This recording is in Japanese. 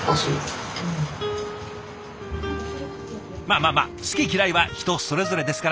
まあまあまあ好き嫌いは人それぞれですからね。